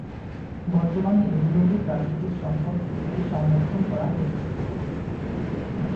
বর্তমানে এগুলোকে প্রাকৃতিক সম্পদ হিসেবে সংরক্ষণ করা হয়েছে।